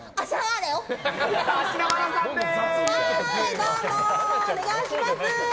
どうも、お願いします。